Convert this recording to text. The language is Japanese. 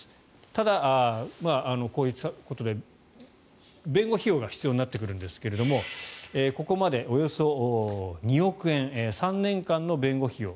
ただ、こういうことで弁護費用が必要になってくるんですがここまでおよそ２億円３年間の弁護費用